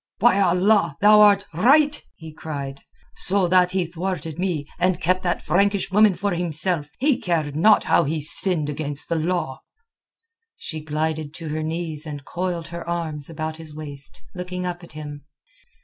"By Allah, thou art right!" he cried. "So that he thwarted me and kept that Frankish woman for himself, he cared not how he sinned against the law." She glided to her knees and coiled her arms about his waist, looking up at him.